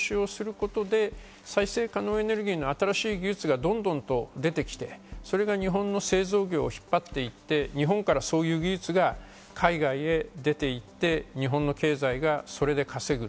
未来に向かって必要な投資をすることで、再生可能エネルギーの新しい技術がどんどん出て来て、それが日本の製造業を引っ張っていって、日本からそういう技術が海外へ出ていって日本の経済がそれで稼ぐ。